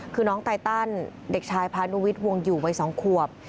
คือน้องไตตันเด็กชายพานุวิทย์วงอยู่วัย๒ขวบ